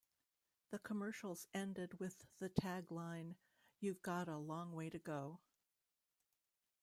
The commercials ended with the tag line You've got a long way to go.